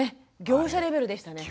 業者レベルでしたね。